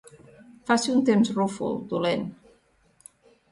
Faci un temps rúfol, dolent.